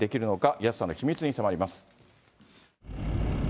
安さの秘密に迫ります。